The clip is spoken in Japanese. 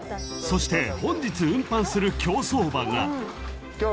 ［そして本日運搬する競走馬が］